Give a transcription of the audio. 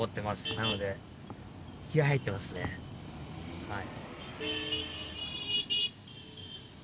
なので気合い入ってますねはい。